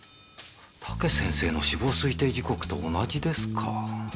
武先生の死亡推定時刻と同じですか。